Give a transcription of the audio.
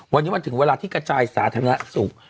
วันนี้มันถึงเวลาที่กระจายสาธารณสุข